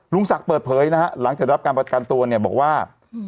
ลุงศักดิ์เปิดเผยหลังจากได้รับการประการตัวบอกว่า